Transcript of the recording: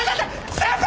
先輩！